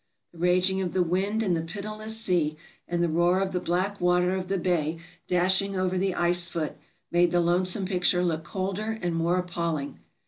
The raging of the wind and the pitiless sea, and the roar of the black water of the bay dashing over the ice foot, made the lonesome picture look colder and more appalling.